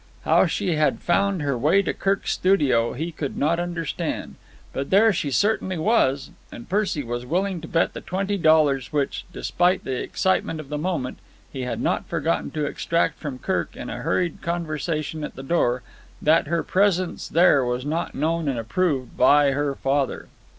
How she had found her way to Kirk's studio he could not understand; but there she certainly was, and Percy was willing to bet the twenty dollars which, despite the excitement of the moment, he had not forgotten to extract from Kirk in a hurried conversation at the door, that her presence there was not known and approved by her father.